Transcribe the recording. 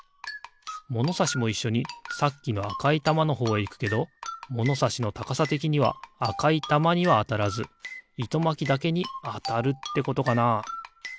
ものさしもいっしょにさっきのあかいたまのほうへいくけどものさしのたかさてきにはあかいたまにはあたらずいとまきだけにあたるってことかな？